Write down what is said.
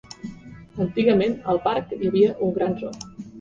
Antigament al parc hi havia un gran zoo.